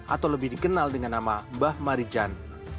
atau lebih dikenal dengan nama mbah marijan